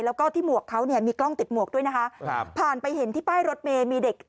แล้วก็ที่หมวกเขาเนี่ยมีกล้องติดหมวกด้วยนะคะครับผ่านไปเห็นที่ป้ายรถเมย์มีเด็ก